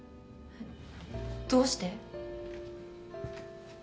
どうして？